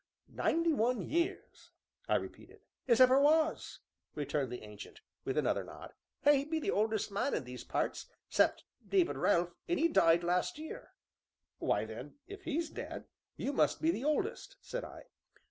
"Ninety one years!" I repeated. "As ever was!" returned the Ancient, with another nod. "I be the oldest man in these parts 'cept David Relf, an' 'e died last year." "Why then, if he's dead, you must be the oldest," said I.